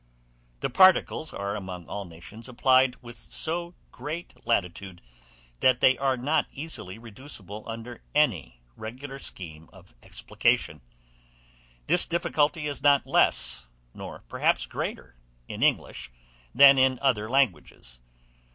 The particles are among all nations applied with so great latitude, that they are not easily reducible under any regular scheme of explication: this difficulty is not less, nor perhaps greater, in English, than in other languages.